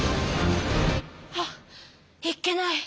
ハッいっけない！